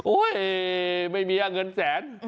อุ้ยไม่มีเหรอเงินแสน